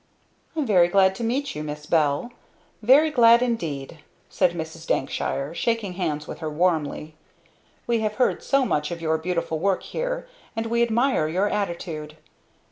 "I am very glad to meet you, Miss Bell, very glad indeed," said Mrs. Dankshire, shaking hands with her warmly. "We have at heard so much of your beautiful work here, and we admire your attitude!